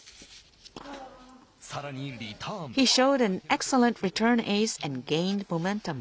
さらに、リターン。